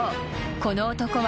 この男は］